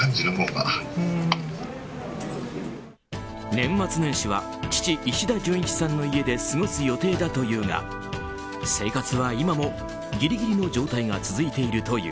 年末年始は父・石田純一さんの家で過ごす予定だというが生活は今もギリギリの状態が続いているという。